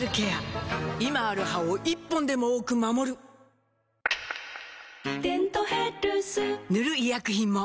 今ある歯を１本でも多く守る「デントヘルス」塗る医薬品も